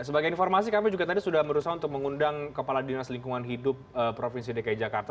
sebagai informasi kami juga tadi sudah berusaha untuk mengundang kepala dinas lingkungan hidup provinsi dki jakarta